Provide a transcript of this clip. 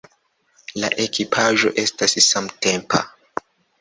La ekipaĵo estas samtempa.